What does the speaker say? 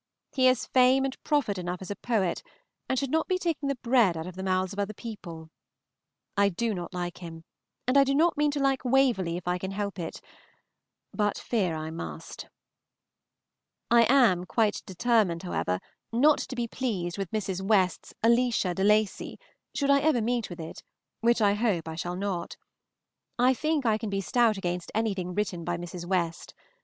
He has fame and profit enough as a poet, and should not be taking the bread out of the mouths of other people. I do not like him, and do not mean to like "Waverley" if I can help it, but fear I must. I am quite determined, however, not to be pleased with Mrs. West's "Alicia De Lacy," should I ever meet with it, which I hope I shall not. I think I can be stout against anything written by Mrs. West.